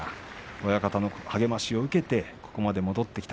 親方の励ましを受けてここまで戻ってきた。